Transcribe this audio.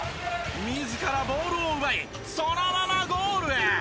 自らボールを奪いそのままゴールへ。